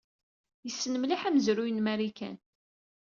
Yessen mliḥ amezruy n Marikan.